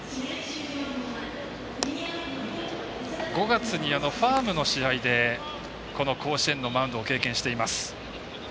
５月にファームの試合でこの甲子園のマウンドを経験しています。